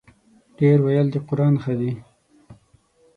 ـ ډېر ویل د قران ښه دی.